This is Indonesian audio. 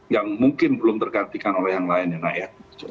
yang mungkin belum tergantikan oleh yang lainnya